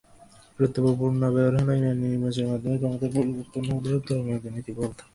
গুরুত্বপূর্ণ ব্যাপার হলো, ইরানে নির্বাচনের মাধ্যমে ক্ষমতার পরিবর্তন হলেও পরমাণুনীতি বহাল থাকবে।